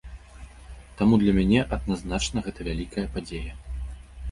Таму для мяне адназначна гэта вялікая падзея.